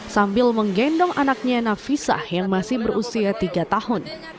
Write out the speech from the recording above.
sambil menggendong anaknya nafisah yang masih berusia tiga tahun